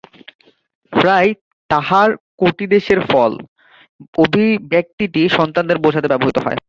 প্রায়ই "তাঁহার কটিদেশের ফল" অভিব্যক্তিটি সন্তানদের বোঝাতে ব্যবহৃত হয়।